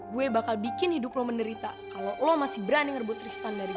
gue bakal bikin hidup lu menderita kalau lu masih berani ngerebut tristan dari gue